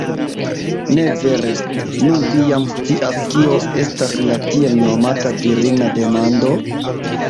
Ne vere, nun vi jam scias, kio estas la tiel nomata virina demando?